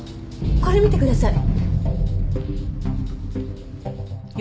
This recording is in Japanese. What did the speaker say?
これ見てください。